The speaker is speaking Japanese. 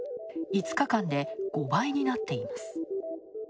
５日間で５倍になっています。